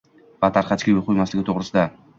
va tarqatishga yo‘l qo‘yilmasligi to‘g‘risida